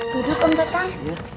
duduk om dekang